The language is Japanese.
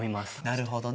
なるほどね。